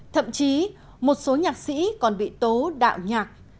thậm chí một số nhạc sĩ còn bị tố đạo nhạc